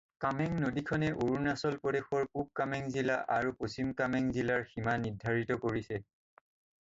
কামেং নদীখনে অৰুণাচল প্ৰদেশৰ পূব কামেং জিলা আৰু পশ্চিম কামেং জিলাৰ সীমা নিৰ্ধাৰিত কৰিছে।